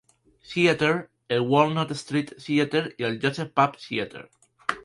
Theater, el Walnut Street Theater y el Joseph Papp Theater.